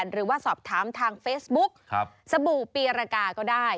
หรือว่าสอบถามทางเฟซบุ๊กสบู่ปีรกาก็ได้